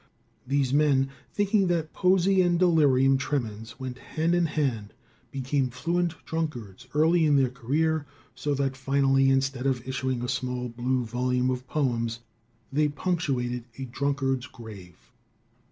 These men, thinking that poesy and delirium tremens went hand in hand, became fluent drunkards early in their career, so that finally, instead of issuing a small blue volume of poems they punctuated a drunkard's grave.